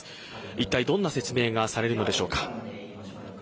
一体どんな説明がされるのでしょうか。